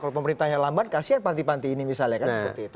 kalau pemerintah yang lambat kasian panti panti ini misalnya kan seperti itu